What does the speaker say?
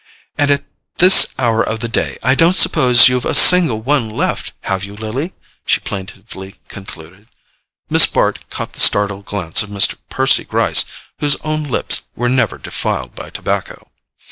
"And at this hour of the day I don't suppose you've a single one left, have you, Lily?" she plaintively concluded. Miss Bart caught the startled glance of Mr. Percy Gryce, whose own lips were never defiled by tobacco.